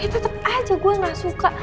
ya tetep aja gue gak suka